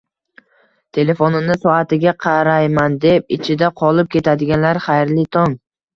Telefonini soatiga qarayman deb "ichida" qolib ketadiganlar, xayrli tong!